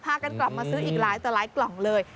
กันกลับมาซื้ออีกหลายต่อหลายกล่องเลย